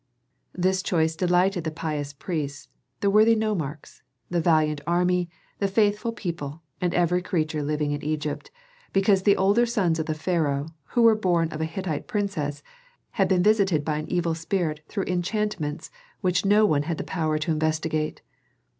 This choice delighted the pious priests, the worthy nomarchs, the valiant army, the faithful people, and every creature living in Egypt, because the older sons of the pharaoh, who were born of a Hittite princess, had been visited by an evil spirit through enchantments which no one had the power to investigate.